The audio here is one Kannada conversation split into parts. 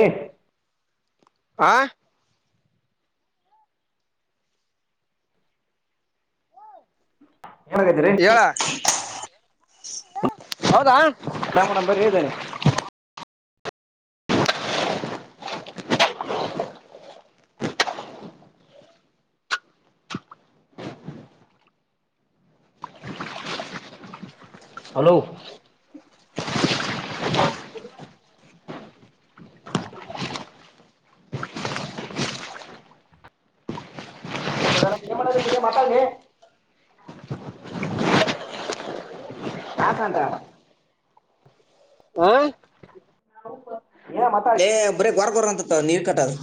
ಹಾಂ ಆ ಏನ ಮಾಡಾಕತ್ತಿರಿ. ಹೇಳ ಹೌದಾ ನಾ ಮಾಡನ್ ಬರಿ ದನಿ. ಹಲೋ ಹಾ ಹಾ ಮದನ ಏನ ಮಾಡಾಕತ್ತಿ ಮಾತಾಡ್ಲೆ. ಆಕಂತ. ಹ ಏನ್ರ ಮಾತಾಡಲೇ ಬರ ಗರ್ಗೋರ್ ಅಂತ ನೀರ್ ಕಟ್ಟದು.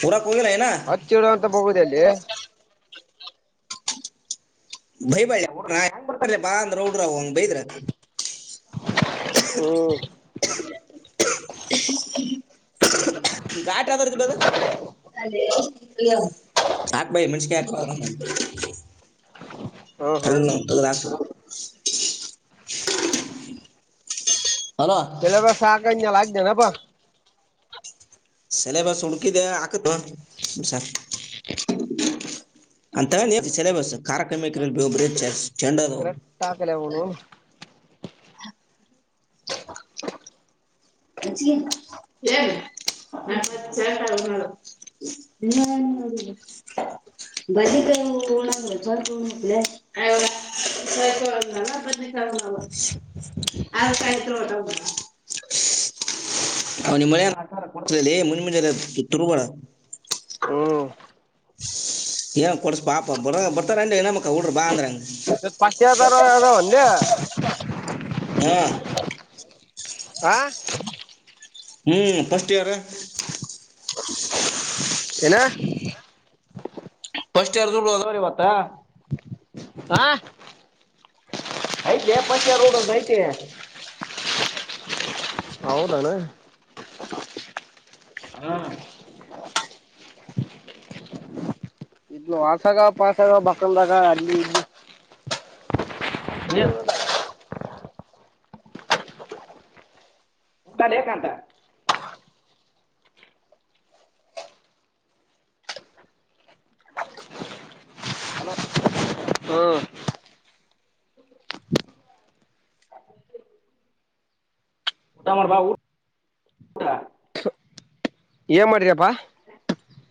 ಪೂ ಕಲ್ ಹೋಗಿಲ್ಲ ಇನ್ನ. ಹಚ್ಚಿಡುವ ಅಂತ ಹೋಗುದ ಅಲ್ಲಿ. ಬೈ ಬಾಳಿ ಹೋಡ್ರ ಹೆಂಗ ಬರ್ತಾರ ಬಾ ಅಂದ್ರ ಹುಡರ ಹಂಗ್ ಬೈದ್ರ. ಹ್ಮ್ [inaudible] ಘಾಟ್ ಯದರದ ಬೇ ಅದ್...... ಸಾಕ ಭ ಮೆಣಸಿನಕಾಯಿ ಹಾಕ. ಹ ಹಾ ಲ್ಲಾಸ [unintelligible] ಹಲೋ ಪೆಲ್ಲ ಬ ಸಾಕ ಅೆ ಲಾಗಿದೆನೆ ಪ [inaudible] ಸೆಲೆಬಸ್ ಹುಡುಕಿದೆ ಹಾಕಿದೇನು..... ಸರ್. ಅಂತ ಸಿಲೆಬಸ್ ಕಾರಕ್ರಮ ಒಬ ಚೆಂಡ. ಕ್ರರೆಕ್ಟ್ ಹ ಆಕಲ [inaudible] ಸ ನ ಸಟ ನಾಳ [unintelligible] ಹ ಹ ಬಲಿ ಕ ಕಣ ಬರ್ ಕ ಮಲ [inaudible] ಅವಕ ಬತ್ ಆ ಕಾಯತ್ [unintelligible] ಹ ಅವ್ನಮ್ಮ ಮಳ ಆ ಕೊ ಮುಂಮಂಜ ತುರ್ಬೋ [unintelligible] ಹ್ಮ್ ಏನ್ ಕೊಡ್ಸಾಪ ಬ ಬರ್ತಾರ ಇನಮ್ಮಕ್ಕ ಹುಡರ ಬಾ ಅಂದ್ರಂಗ ಪಸ್ಟ ಇಯಾರದ್ ಅದಾವ್ ಎನ್ ಲೇ. ಹ್ಮ್. ಹಾ. ಹ್ಮ್, ಫಸ್ಟ್ ಇಯರ್ ಏನ? ಫಸ್ಟ್ ಇಯರ್ ಇಬ್ರುಅದಾರ ಇವತ್ತಾ ಹಾ [inaudible] ಆಯ್ತ ಪಚ ೋಡದು ಐತೆ [unintelligible] ಹೌದನ ಹಾ [inaudible] ವಾಟಗ-ಪಾಟಗ ಮಕ್ಕಂದಾಗ ಅಲ್ಲಿ ಇಲ್ಲಿ ಈ [unintelligible] ತಕ ಅಂತ [unintelligible] [inaudible] ಹಲೋ, ಹ್ಮ್ ಹ್ಮ [inaudible] ಊಟ ಮಾಡ ಬಾಊ ಏನ್ ಮಾಡ್ರಪ್ಪಾ? ಹ [inaudible]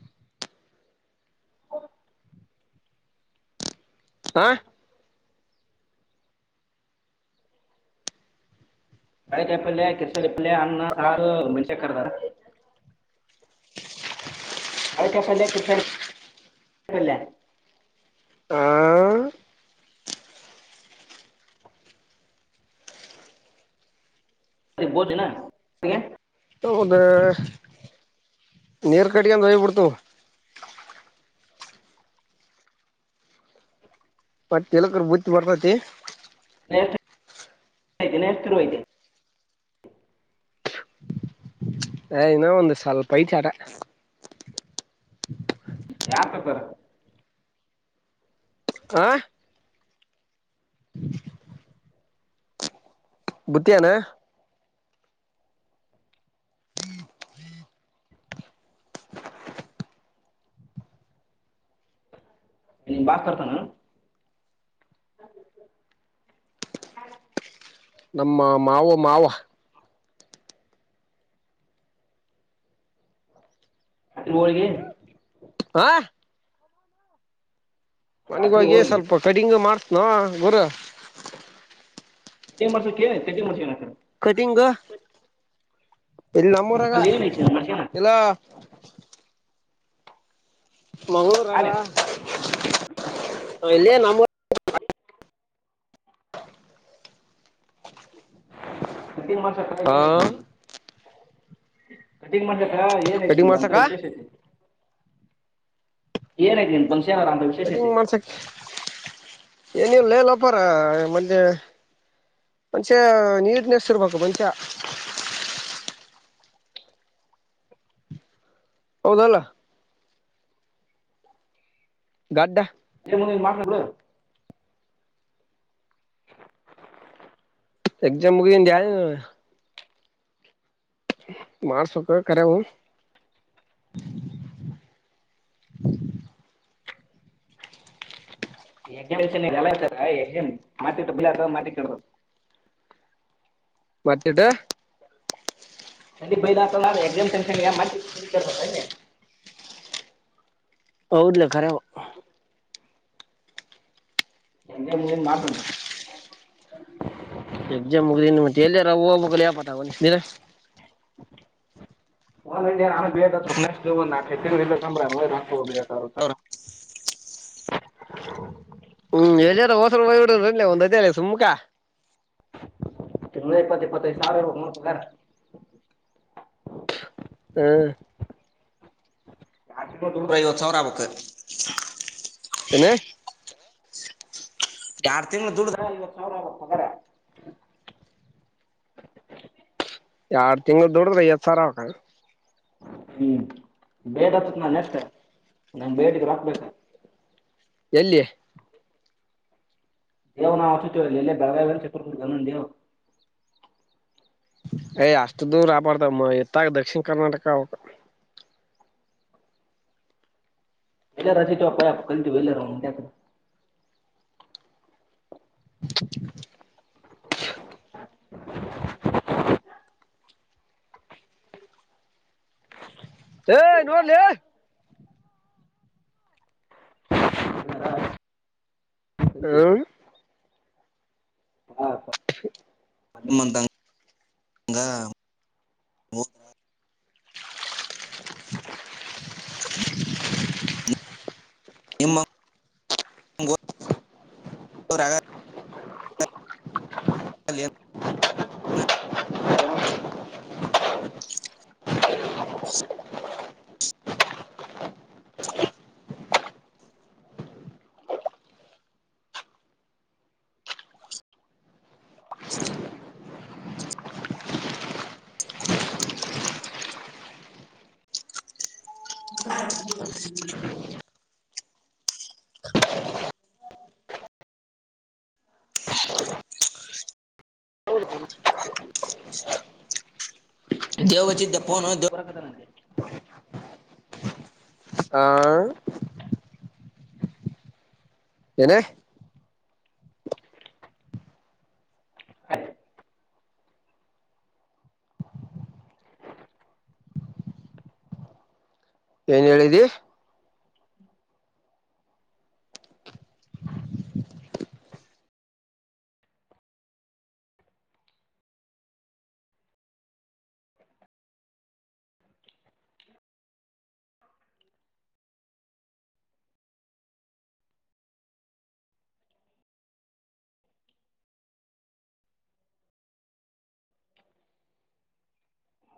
ಹ [inaudible] ಹಾ, ಚೌಳಿಕಾಯಿ ಪಲ್ಯ, ಕಿರ್ಸರಿ ಪಲ್ಯ ಅನ್ನ, ಸಾರು, ಮೆಣ್ಸಿನಕಾಯಿಕರ್ದರ. ಚೌಳಿಕಾಯಿ ಪಲ್ಯ, ಕಿರ್ಸಲಿ ಪಲ್ಯ - ಆ [unintelligible] ಅರಿ ಭೋಜನಾ [unintelligible] ಒಂದು [inaudible] ನೀರ್ ಕಟ್ಗಂದ ಹೋಗ್ಬ ಬಿಡ್ತವ. ಮತ್ತ ಎಲಕ್ರ ಬತ್ತಿ ಬರ್ತತಿ [unintelligible] ನ ನೇರ್ತಿರುವದೆ [unintelligible] ಎಯ್ ಇನ್ನಾಒಂದು ಸ್ವಲ್ಪ ಐತಿ ಆಟ. ಯಾರ್ ತರುತ್ತಾರೆ? ಆ [inaudible] [inaudible] ಬುತ್ತಿಯೇನ ಹ್ಮ ಹ್ಮ [inaudible] ನಿಮ್ಮ ಬಾಸ್ ತರ್ತಾನನು ಹ ಹ್ಮ [unintelligible] ನಮ್ಮ ಮಾವ ಮಾವ ಹೋಳ್ಗೆ ಆಾ [inaudible] ರಾತ್ರಿ ಮನಿಗಿಹೋಗಿ ಹೋಳಿಗೆ ಸ್ವಲ್ಪ ಕಟ್ಟಿಂಗ್ ಮಾಡ್ತ್ಸತೀನೊ ಗುರು. ಕಟಿಂಗ ಮಾಡ್ಸ ನೆ ಕಟಂಗ್ ಮಾಡ್ ಏನಾರೆ [unintelligible] ಕಟಿಂಗ ಇಲ್ಲಿ ನಮ್ಮೂರಾಗ ಅಲ್ಲಿ ಏನೈತಿ ಮಾಡ್ಸ್ಕೊಳಕ ಇಲ್ಲಾ ಮಂಗಳೂರಾಗ ಅಲ್ಲೇ ಇಲ್ಲಿಯ ನಮ್ಮ ಟನ್ ಹಾ ಮಾಡಷಕಲಗೆ [unintelligible] ಕಟಿಂಗ್ ಮಾಡ್ಲಕ್ಕ ಏನ ಐತಿ ಕಟಿಂಗ್ ಇಲ್ಲಿ ಅಂತ ಮಾಡ್ಸಕ ವಿಶೇಷತೆ. ಏನಾಗನು ತನ್ ಆರಾಮ [unintelligible] ಕಟಿಂಗ ಮಾಡ್ಸಕ್ ಏನವು [unintelligible] ಲೇಲ್ಪಾರ ಮಜೆ ಮನಷ್ಯ ನೀಟನೇಷಿರ್ಬೇಕು ಮನುಷ್ಯ. ಹೌದಲ್ಲ. ಗಡ್ಡ. [unintelligible] [inaudible] ಎಕ್ಸ್ಜಾಮ್ ಮುಗಿ [unintelligible] ಮಾಡಸ್ಬೇಕು ಕರೆ ಹು ಎಕ್ಸಿಮಿಷನ್ [unintelligible] ಮತ್ತಟ. ಅಲ್ಲಿ ಬೈದ ಆತಲ್ಲ ಎಕ್ಸಾಮ್ ಟೆನ್ಶನ್ [unintelligible] ಹೌದ್ಲೆ ಕರೆವು. ಎಲ್ಲನ [unintelligible] ಎಕ್ಸಾಮ್ ಮುಗ್ದಿ ಮತ್ತ ಎಲ್ಲಿ ಯಾರ ಹೋಗಬೇಕ ಲೆಪ ನೀ [unintelligible] [inaudible] [unintelligible] ಹ್ಮ್ ಎಲ್ಲರ [unintelligible] ಒಂದ್ ಅದೆ ಸುಮ್ಕಾ ತಿಂಗ್ಳಿಗ್ ಇಪ್ಪತ್ ಇಪ್ಪತ್ತೆದ್ ಸಾವ್ರ [unintelligible] ಹ್ಮ್ ಐವತ್ ಸಾವ್ರ ಆಗ್ಬೇಕು. ಎನೆ. ಎರಡ್ ತಿಂಗ್ಳ ದುಡ್ದ ಐವತ್ತು ಸಾವ್ರ ಆಗ್ಬೇಕು ಅಕರೆ. ಎರಡ್ ತಿಂಗ್ಳು ದುಡುದ್ರೆ ಎಸ್ ಸರ [unintelligible] ಹ್ಮ್ ಬೇಡ [unintelligible] ನಾನ್ ಬೇಡಿಗೆ ರಾಕ್ಬೇಕ ಎಲ್ಲಿ ದೇ ನಾವುಚತವರಲ್ಲಿ ಎಲ್ಲ ಬೆಳಗಾವಿ ಚಿಕ್ಕ ದೇವು. ಯ್ ಅಷ್ಟ್ ದೂರ ಆಬಾರ್ದ ಎತ್ತಾಗ ದಕ್ಷಿಣ ಕರ್ನಾಟಕ ಅವ್ - - ಎಲ್ಲ [unintelligible] [inaudible] ಏ ನೋಡ್ಲೆ. [unintelligible] ಕಲ್ತೀವಿ ಹ್ಮ ಹ ಮಂತ [unintelligible] ಗ [inaudible] ನಿಮ್ಮ [unintelligible] [unintelligible] ಆಗಲ್ಲ ಏನ್? [inaudible] [inaudible] ಹೌ [unintelligible] [unintelligible] ದೇವಚಿದ್ದಫೋನು ದೇವರ ಕದ ನಂತೆ. ಆ ಏನೆ. ಏನ್ ಹೇಳಿದಿ.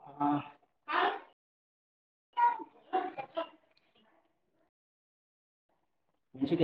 ಆ, ಮೆಣ್ಸಿನ್ಕಾಯಿ